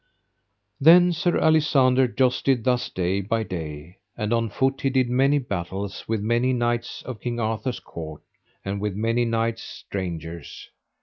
Then Sir Alisander jousted thus day by day, and on foot he did many battles with many knights of King Arthur's court, and with many knights strangers.